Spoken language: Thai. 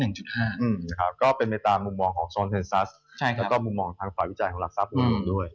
อืมครับก็เป็นในตามมุมมองของซอนเทนซัสและก็มุมมองของทางฝ่าวิจัยของหลักทรัพย์บริมัติด้วย